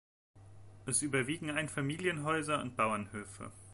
Es überwiegen Einfamilienhäuser und Bauernhöfe.